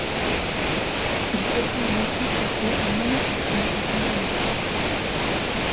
Il faudra alors constater un amortissement en fin d'année.